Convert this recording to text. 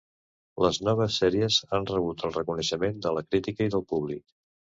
Les noves sèries han rebut el reconeixement de la crítica i del públic.